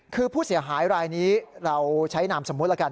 คือผู้เสียหายรายนี้เราใช้นามสมมุติแล้วกัน